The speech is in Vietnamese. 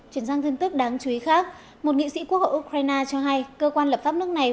chuyển sang thông tin đáng chú ý khác một nghị sĩ quốc hội ukraine cho hay cơ quan lập pháp nước này